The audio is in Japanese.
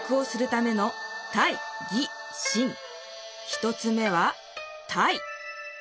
１つ目は「体」。